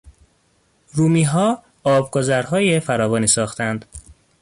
رومیها آبگذرهای فراوانی ساختند.